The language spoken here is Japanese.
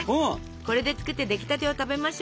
これで作って出来たてを食べましょ。